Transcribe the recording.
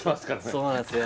そうなんすよ